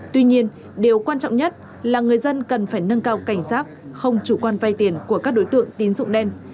tuy nhiên điều quan trọng nhất là người dân cần phải nâng cao cảnh giác không chủ quan vay tiền của các đối tượng tín dụng đen